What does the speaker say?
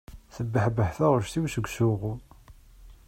Tebbeḥbeḥ taɣect-iw seg usuɣu.